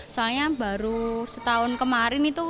soalnya baru setahun kemarin itu